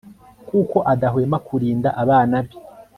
kuko adahwema kurinda abana be